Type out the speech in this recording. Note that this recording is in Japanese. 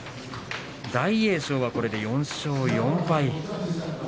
大栄翔はこれで４勝４敗。